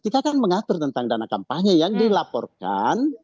kan mengatur tentang dannkan kampanye yang dilaporkan